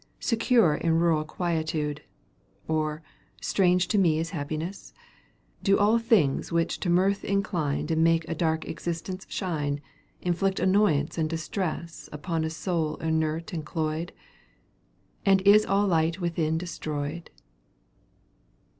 Secure in rural quietude — Or, strange to me is happiness ? Do all things which to mirth incline . And make a dark existence shine Inflict annoyance and distress • Upon Й soul inert and cloyed? — And is all light within destroyed